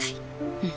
うん。